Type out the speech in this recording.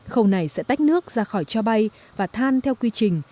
khâu này sẽ tách nước ra khỏi cho bay và than theo quy trình